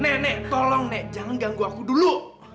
nek nek tolong nek jangan ganggu aku dulu